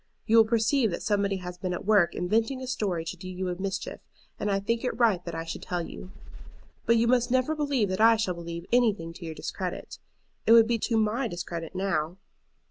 You will perceive that somebody has been at work inventing a story to do you a mischief, and I think it right that I should tell you. "But you must never believe that I shall believe anything to your discredit. It would be to my discredit now.